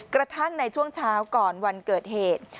กระทั่งในช่วงเช้าก่อนวันเกิดเหตุ